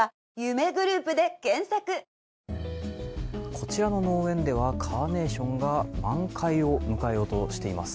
こちらの農園ではカーネーションが満開を迎えようとしています。